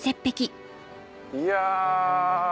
いや。